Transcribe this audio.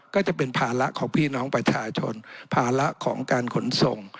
ก็จะเป็นภาระของพี่น้องประชาชนภาระของการขนส่ง